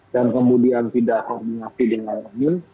dan kemudian tidak koordinasi dengan amin